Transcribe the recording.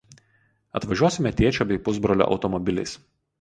Atvažiuosime tėčio bei pusbrolio automobiliais